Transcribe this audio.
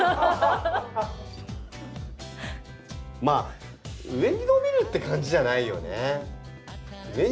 まあ上に伸びるって感じじゃないよね。